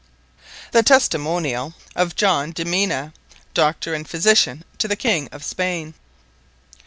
_ The Testimoniall of John de Mena, Doctor and Physitian to the King of Spaine.